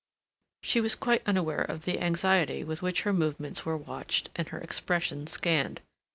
She was quite unaware of the anxiety with which her movements were watched and her expression scanned.